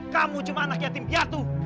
kamu cuma anak yatim piatu